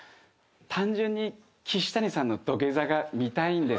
単純に岸谷さんの土下座が見たいんです。